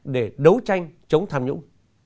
để đấu tranh chống tham nhũng